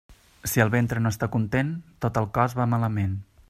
Si el ventre no està content, tot el cos va malament.